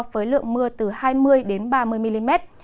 với lượng mưa từ hai mươi ba mươi mm